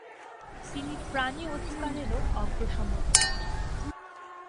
তিনি 'প্রাণী অধিকার' এরও অগ্র সমর্থক।